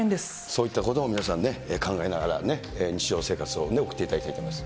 そういったことも皆さんね、考えながら、日常生活を送っていただきたいと思います。